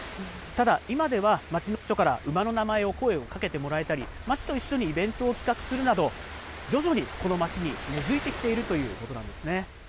ただ、今では町の人から馬の名前を、声をかけてもらえたり、町と一緒にイベントを企画するなど、徐々にこの町に根づいてきているということなんですね。